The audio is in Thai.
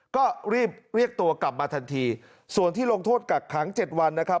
ก็รีบเรียกตัวกลับมาทันทีส่วนที่ลงโทษกักขังเจ็ดวันนะครับ